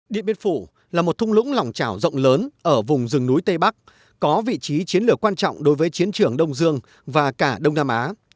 điện biên phủ là một thung lũng lòng trào rộng lớn ở vùng rừng núi tây bắc có vị trí chiến lược quan trọng đối với chiến trường đông dương và cả đông nam á